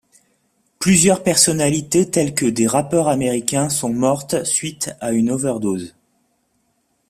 Plusieurs personnalités telles que des rappeurs américains sont mortes suite à une overdose.